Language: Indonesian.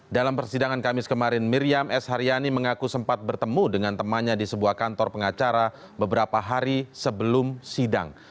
dalam persidangan kamis kemarin miriam s haryani mengaku sempat bertemu dengan temannya di sebuah kantor pengacara beberapa hari sebelum sidang